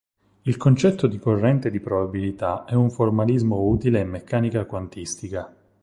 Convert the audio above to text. Il concetto di corrente di probabilità è un formalismo utile in meccanica quantistica.